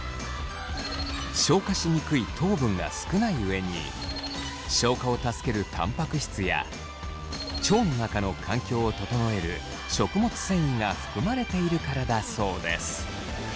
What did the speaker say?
消化しにくい糖分が少ない上に消化を助けるたんぱく質や腸の中の環境を整える食物繊維が含まれているからだそうです。